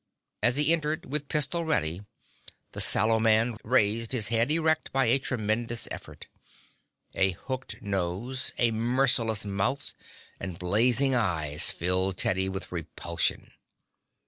As he entered with pistol ready, the sallow man raised his head erect by a tremendous effort. A hooked nose, a merciless mouth, and blazing eyes filled Teddy with repulsion.